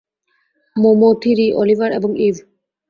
Momo, Thiri, Oliver এবং eve.